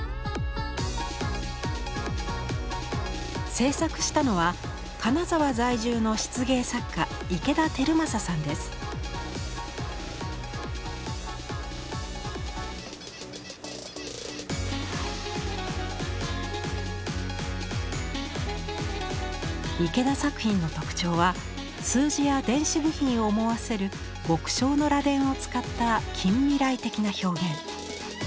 制作したのは金沢在住の池田作品の特徴は数字や電子部品を思わせる極小の螺鈿を使った近未来的な表現。